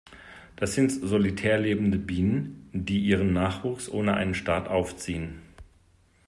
Dies sind solitär lebende Bienen, die ihren Nachwuchs ohne einen Staat aufziehen.